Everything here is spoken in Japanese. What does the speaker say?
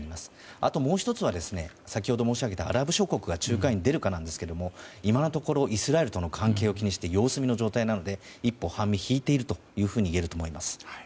あともう１つはアラブ諸国が仲介に出るかですが今のところイスラエルとの関係を気にして様子見の状態なので一歩半身引いていると言えると思います。